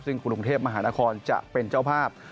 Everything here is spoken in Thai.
ซึ่งกรุงเทพมหานครจะเป็นเจ้าภาพ